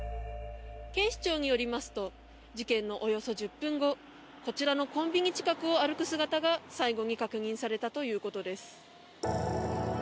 警視庁によりますと事件のおよそ１０分後こちらのコンビニ近くを歩く姿が最後に確認されたということです。